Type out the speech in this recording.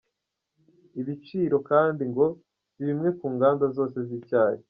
Ibiciro kandi ngo si bimwe ku nganda zose z’icyayi.